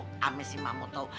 sama si mammo tau